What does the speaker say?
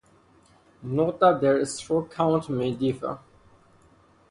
Note that their stroke count may differ.